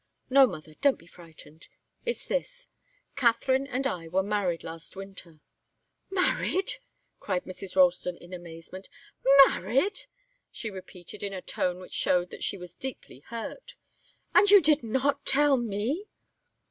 "No, mother don't be frightened. It's this. Katharine and I were married last winter." "Married!" cried Mrs. Ralston, in amazement. "Married!" she repeated in a tone which showed that she was deeply hurt. "And you did not tell me!"